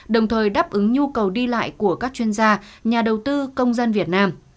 đồng thời đáp ứng nhu cầu đi lại của các chuyên gia nhà đầu tư công dân việt nam